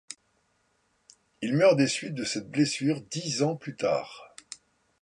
Il meurt des suites de cette blessure dix ans plus tard.